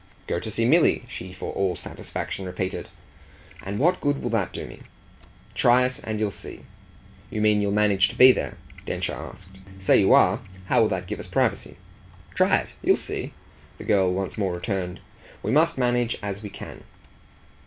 "Go to see Milly," she for all satisfaction repeated. "And what good will that do me?" "Try it and you'll see." "You mean you'll manage to be there?" Densher asked. "Say you are, how will that give us privacy?" "Try it you'll see," the girl once more returned. "We must manage as we can."